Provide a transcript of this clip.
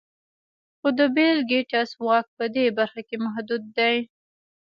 خو د بېل ګېټس واک په دې برخه کې محدود دی.